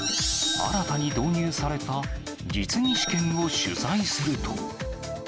新たに導入された実技試験を取材すると。